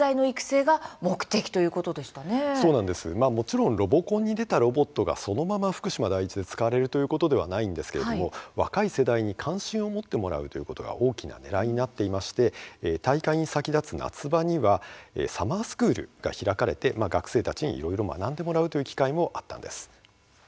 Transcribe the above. もちろんロボコンに出たロボットがそのまま福島第一で使われるということではないんですけれども若い世代に関心を持ってもらうということが大きなねらいになっていまして大会に先立つ夏場にはサマースクールが開かれて学生たちにいろいろ学んでもらうという機会もあったんです。